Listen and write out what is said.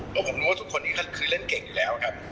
เพราะผมรู้ว่าทุกคนนี้ก็คือเล่นเก่งอยู่แล้วครับ